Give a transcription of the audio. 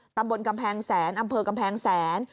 ตำบลกำแพงแสนอำเภอกำแพงแสน